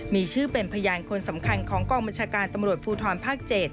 มีชื่อเป็นพยานคนสำคัญของกองบัญชาการตำรวจภูทรภาค๗